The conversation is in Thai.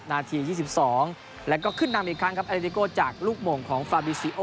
นาที๒๒แล้วก็ขึ้นนำอีกครั้งครับเอดิโก้จากลูกหม่งของฟาบิซิโอ